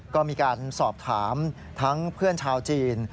ก็มีการสอบถามทั้งเพื่อนชาวจีน